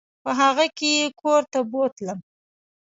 په هغه کې یې کور ته بوتلم.